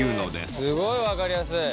すごい分かりやすい。